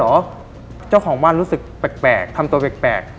เจ้าของบ้านรู้สึกแปลกทำตัวแปลก